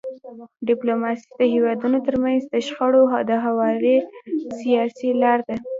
ډيپلوماسي د هیوادونو ترمنځ د شخړو د هواري سیاسي لار ده.